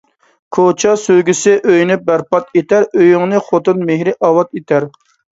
كوچا سۆيگۈسى ئۆينى بەرباد ئېتەر، ئۆيۈڭنى خوتۇن مېھرى ئاۋات ئېتەر